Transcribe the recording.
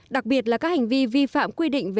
đặc biệt là các hành vi vi phạm quy định về chống đánh giá